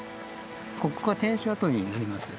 ここが天守跡になります。